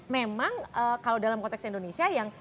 memang kalau dalam konteks indonesia yang